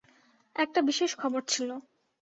একটা বিশেষ খবর ছিল।